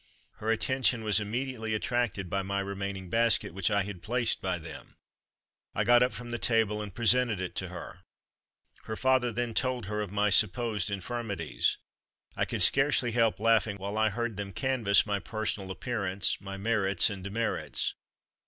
Her attention was immediately attracted by my remaining basket, which I had placed by them. I got up from the table and presented it to her. Her father then told her of my supposed infirmities. I could scarcely help laughing while I heard them canvass my personal appearance, my merits and demerits.